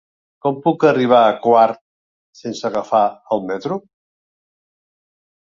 Com puc arribar a Quart sense agafar el metro?